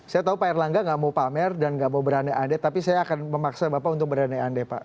saya tahu pak erlangga nggak mau pamer dan nggak mau berandai andai tapi saya akan memaksa bapak untuk berandai andai pak